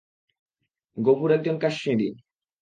গফুর একজন কাশ্মিরী।